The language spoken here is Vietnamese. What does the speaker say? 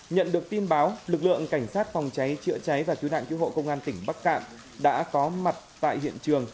nhận được tin báo lực lượng cảnh sát phòng cháy chữa cháy và cứu nạn cứu hộ công an tỉnh bắc cạn đã có mặt tại hiện trường